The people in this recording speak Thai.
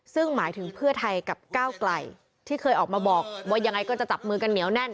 ซึ่งหมายถึงเพื่อไทยกับก้าวไกลที่เคยออกมาบอกว่ายังไงก็จะจับมือกันเหนียวแน่น